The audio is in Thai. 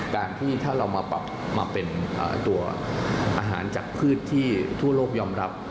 การที่ถ้าเรามาปรับมาเป็นตัวอาหารจากพืชที่ทั่วโลกยอมรับ